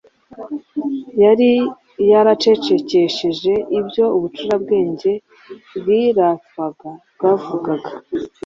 yari yaracecekesheje ibyo ubucurabwenge bwiratwaga bwavugaga.